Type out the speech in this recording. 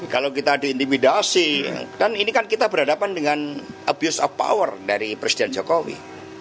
kalau kita diintimidasi kan ini kan kita berhadapan dengan abuse of power dari presiden jokowi